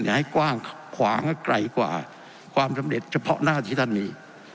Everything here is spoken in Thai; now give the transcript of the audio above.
ให้กว้างขวางให้ไกลกว่าความสำเร็จเฉพาะหน้าที่ท่านมี